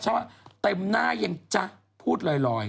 ที่ฉันต้องเต็มหน้ายังจะพูดลอย